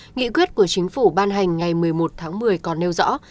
nghị quyết của chính phủ ban hành ngày một mươi một tháng một mươi còn nêu rõ